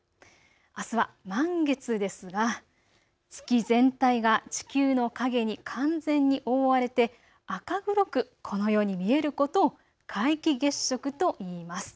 あすは満月ですが月全体が地球の影に完全に覆われて赤黒くこのように見えることを皆既月食といいます。